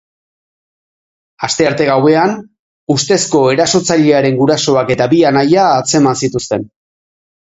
Astearte gauean ustezko erasotzailearen gurasoak eta bi anaia atzeman zituzten.